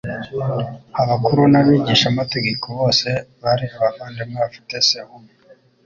abakuru n'abigishamategeko bose bari abavandimwe bafite se umwe.